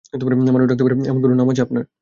মানুষ ডাকতে পারে এমন কোনো নাম আছে আপনার?